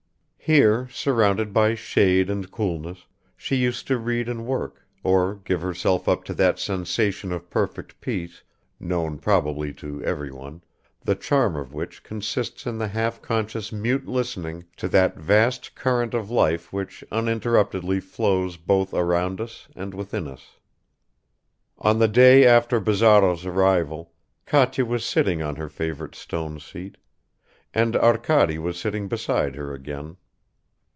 Here, surrounded by shade and coolness, she used to read and work, or give herself up to that sensation of perfect peace, known probably to everyone, the charm of which consists in the half conscious mute listening to that vast current of life which uninterruptedly flows both around us and within us. On the day after Bazarov's arrival, Katya was sitting on her favorite stone seat, and Arkady was sitting beside her again.